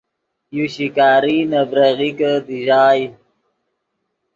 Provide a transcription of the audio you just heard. یو شکاری نے بریغیکے دیژائے